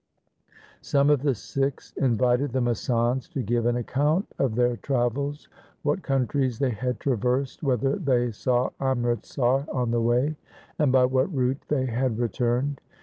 Some of the Sikhs invited the masands to give an account of their travels, what countries they had traversed, whether they saw Amritsar on the way, and by what route they had returned